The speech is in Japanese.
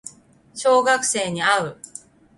小学生に会う